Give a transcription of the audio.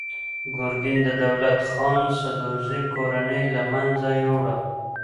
ګورګین د دولت خان سدوزي کورنۍ له منځه یووړه.